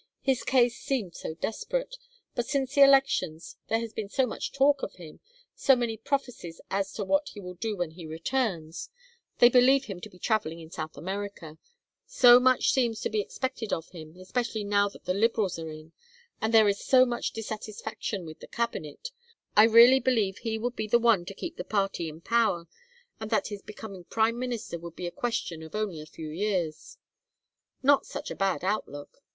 His case seemed so desperate. But since the elections there has been so much talk of him, so many prophecies as to what he will do when he returns they believe him to be travelling in South America so much seems to be expected of him, especially now that the Liberals are in, and there is so much dissatisfaction with the Cabinet I really believe he would be the one to keep the party in power and that his becoming prime minister would be a question of only a few years. Not such a bad outlook!